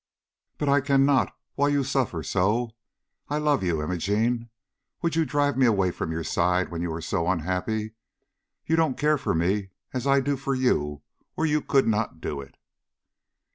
"But I cannot while you suffer so. I love you, Imogene. Would you drive me away from your side when you are so unhappy? You don't care for me as I do for you or you could not do it."